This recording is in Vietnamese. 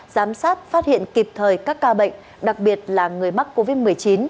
giám sát phát hiện kịp thời các ca bệnh đặc biệt là người mắc covid một mươi chín